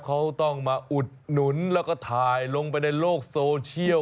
เขาต้องมาอุดหนุนแล้วก็ถ่ายลงไปในโลกโซเชียล